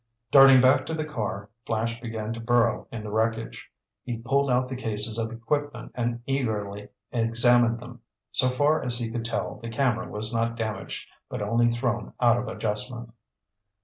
Darting back to the car, Flash began to burrow in the wreckage. He pulled out the cases of equipment and eagerly examined them. So far as he could tell the camera was not damaged, but only thrown out of adjustment.